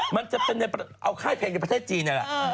มันจะเป้ชั่วค่ายเพลงในประเทศจีนอ่ะ